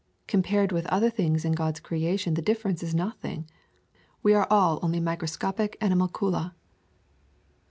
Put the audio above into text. Compared with other things in God's creation the difference is nothing. We all are only microscopic animalcula.